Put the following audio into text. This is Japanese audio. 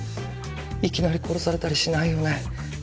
いきなり殺されたりしないよね